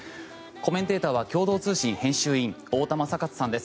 コメンテーターは共同通信編集委員太田昌克さんです。